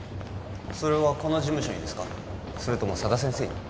それはこの事務所にですかそれとも佐田先生に？